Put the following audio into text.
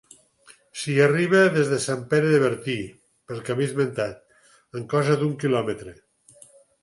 S'hi arriba des de Sant Pere de Bertí pel camí esmentat, en cosa d'un quilòmetre.